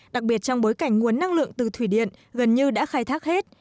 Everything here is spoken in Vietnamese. đặc biệt trong bối cảnh nguồn năng lượng từ thủy điện gần như đã khai thác hết